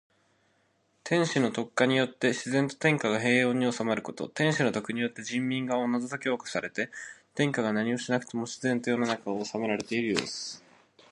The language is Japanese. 天子の徳化によって自然と天下が平穏に収まること。天子の徳によって人民がおのずと教化されて、天子が何をしなくても自然と世の中が治められているようす。